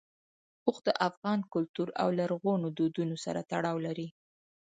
اوښ د افغان کلتور او لرغونو دودونو سره تړاو لري.